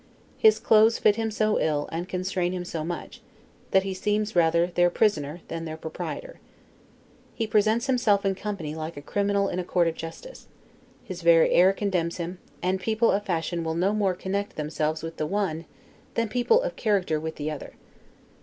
His clothes fit him so ill, and constrain him so much, that he seems rather, their prisoner than their proprietor. He presents himself in company like a criminal in a court of justice; his very air condemns him; and people of fashion will no more connect themselves with the one, than people of character will with the other.